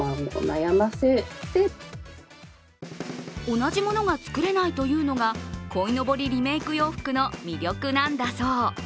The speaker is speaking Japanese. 同じものが作れないというのがこいのぼりリメーク洋服の魅力なんだろう。